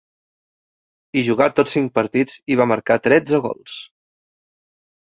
Hi jugà tots cinc partits, i va marcar tretze gols.